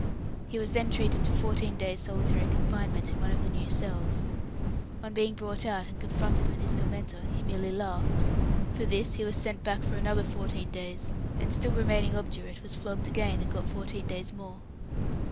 He was then treated to fourteen days' solitary confinement in one of the new cells. On being brought out and confronted with his tormentor, he merely laughed. For this he was sent back for another fourteen days; and still remaining obdurate, was flogged again, and got fourteen days more.